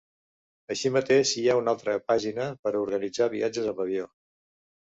Així mateix, hi ha una altra pàgina per a organitzar viatges amb avió.